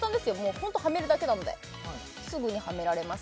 ホントはめるだけなのですぐにはめられます